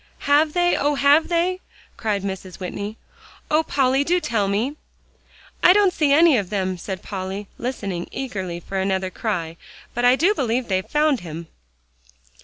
"Have they? oh! have they?" cried Mrs. Whitney. "Oh, Polly! do tell me." "I don't see any of them," said Polly, listening eagerly for another cry, "but I do believe they've found him."